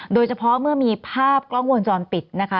โดยเฉพาะเมื่อมีภาพกล้องวงจรปิดนะคะ